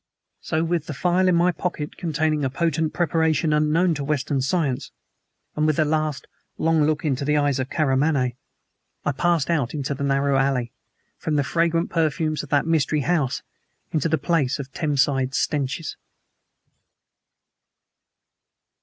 So, with the phial in my pocket containing a potent preparation unknown to Western science, and with a last long look into the eyes of Karamaneh, I passed out into the narrow alley, out from the fragrant perfumes of that mystery house into the place of Thames side stenches.